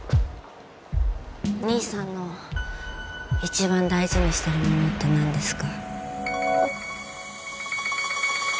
兄さんの一番大事にしてるものって何ですか？